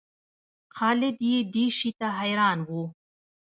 خالد یې دې شي ته حیران و.